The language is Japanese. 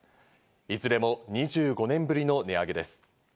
いずれも２５年ぶりの値上げです。